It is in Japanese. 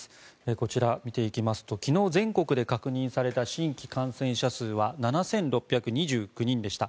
こちら見ていきますと昨日、全国で確認された新規感染者数は７６２９人でした。